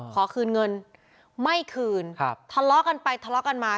ขอคืนเงินไม่คืนครับทะเลาะกันไปทะเลาะกันมา